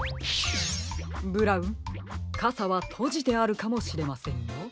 ブラウンかさはとじてあるかもしれませんよ。